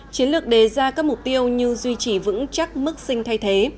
chiến lược đề ra các mục tiêu như duy trì vững chắc mức sinh thay thế